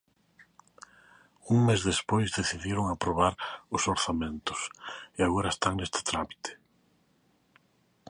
Un mes despois decidiron aprobar os orzamentos e agora están neste trámite.